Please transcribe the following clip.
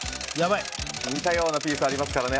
似たようなピースありますからね。